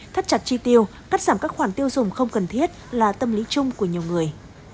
thắt chặt chi tiêu cắt giảm các khoản tiêu dùng không cần thiết là tâm lý chung của nhiều người